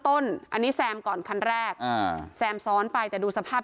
ต้นอันนี้แซมก่อนคันแรกอ่าแซมซ้อนไปแต่ดูสภาพ